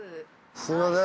すみません。